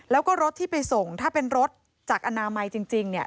แล้วก็รถที่ไปส่งถ้าเป็นรถจากอนามัยจริง